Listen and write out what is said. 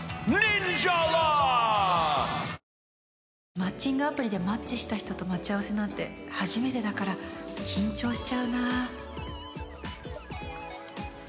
マッチングアプリでマッチした人と待ち合わせなんて初めてだから緊張しちゃうな